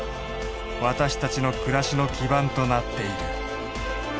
私たちの暮らしの基盤となっている。